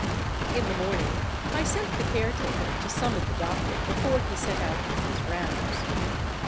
In the morning I sent the caretaker to summon the doc tor before he set out on his rounds.